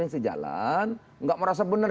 sejalan nggak merasa benar